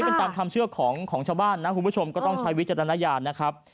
มาทำเชื่อของชาวบ้านคุณผู้ชมก็ต้องใช้วิจารณญาณนะครับ